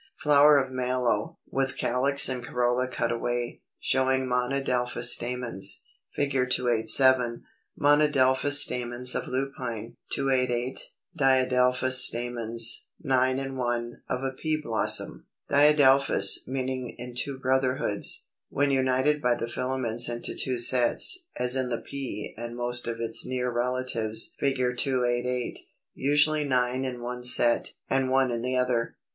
Flower of a Mallow, with calyx and corolla cut away; showing monadelphous stamens.] [Illustration: Fig. 287. Monadelphous stamens of Lupine. 288. Diadelphous stamens (9 and 1) of a Pea blossom.] Diadelphous (meaning in two brotherhoods), when united by the filaments into two sets, as in the Pea and most of its near relatives (Fig. 288), usually nine in one set, and one in the other.